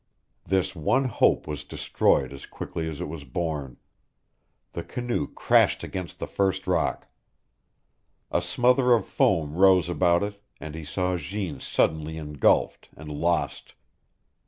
This one hope was destroyed as quickly as it was born. The canoe crashed against the first rock. A smother of foam rose about it and he saw Jeanne suddenly engulfed and lost.